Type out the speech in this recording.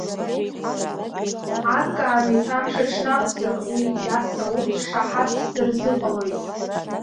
Акаамеҭ амш аҽны акәзар, уи Иаса урҭ шаҳаҭс дырзыҟалоит.